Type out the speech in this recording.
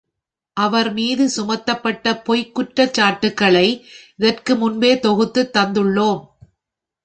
அவர் மீது சுமத்தப்பட்ட பொய்க் குற்றச் சாட்டுக்களை இதற்கு முன்பே தொகுத்துத் தந்துள்ளோம்.